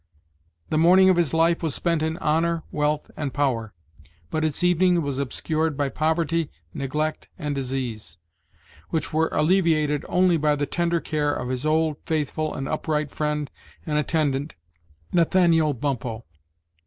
The morning of his life was spent in honor, wealth, and power; but its evening was obscured by poverty, neglect, and disease, which were alleviated only by the tender care of his old, faithful, and upright friend and attendant Nathaniel Bumppo.